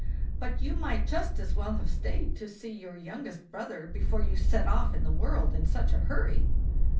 But you might just as well have stayed to see your youngest, brother before you set off into the world in such a hurry."